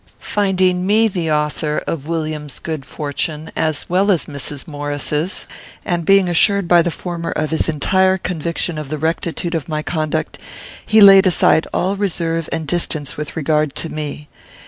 Finding me the author of Williams's good fortune as well as Mrs. Maurice's, and being assured by the former of his entire conviction of the rectitude of my conduct, he laid aside all reserve and distance with regard to me.